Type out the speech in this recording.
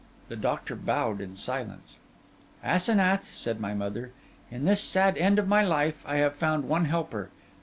The doctor bowed in silence. 'Asenath,' said my mother, 'in this sad end of my life I have found one helper.